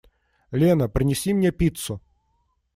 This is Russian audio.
Лена, принеси мне пиццу.